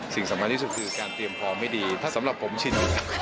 สิ่งสำคัญที่สุดคือการเตรียมพร้อมไม่ดีถ้าสำหรับผมชิโน